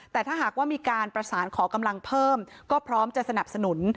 แต่ถ้าหากว่ามีการประสานขอกำลังเพิ่มก็พร้อมจะสนับสนุน